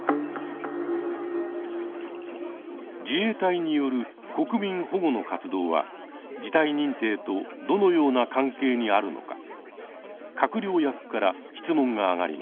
自衛隊による国民保護の活動は事態認定とどのような関係にあるのか閣僚役から質問が上がりました。